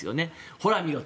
ほら見ろと。